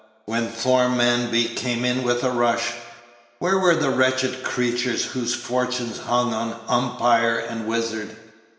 When Thormanby came in with a rush, where were the wretched creatures whose fortunes hung on Umpire or Page 65 Wizard?